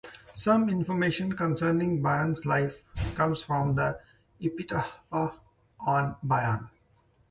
Some information concerning Bion's life comes from the "Epitaph on Bion".